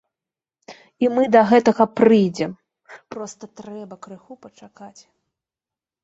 І мы да гэтага прыйдзем, проста трэба крыху пачакаць.